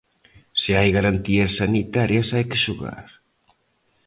Se hai garantías sanitarias hai que xogar.